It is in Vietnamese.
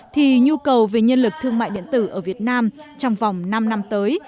thì nhu cầu về nhân lực thương mại điện tử ở việt nam trong vòng năm năm tới